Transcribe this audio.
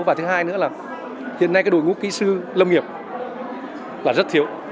và thứ hai nữa là hiện nay cái đội ngũ kỹ sư lâm nghiệp là rất thiếu